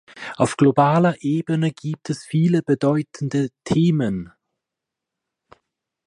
Auf globaler Ebene gibt es viele bedeutende Themen.